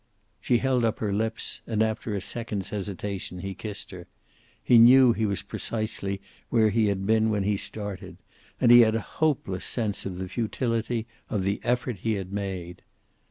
She held up her lips, and after a second's hesitation he kissed her. He knew he was precisely where he had been when he started, and he had a hopeless sense of the futility of the effort he had made.